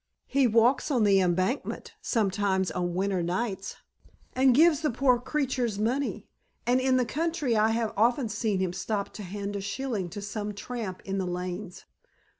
"He walks on the Embankment sometimes on winter nights and gives the poor creatures money. And in the country I have often seen him stop to hand a shilling to some tramp in the lanes."